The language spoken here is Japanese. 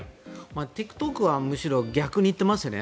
ＴｉｋＴｏｋはむしろ逆に行っていますよね。